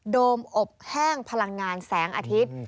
โดมอบแห้งพลังงานแสงอาทิตย์